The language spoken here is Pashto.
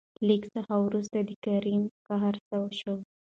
لېږ څه ورورسته د کريم قهر سوړ شو.